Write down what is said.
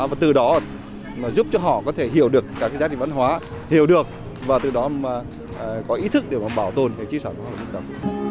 và từ đó giúp cho họ có thể hiểu được các giá trị văn hóa hiểu được và từ đó có ý thức để bảo tồn trí sản văn hóa của dân tộc